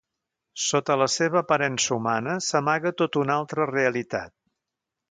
Sota la seva aparença humana s'amaga tota una altra realitat.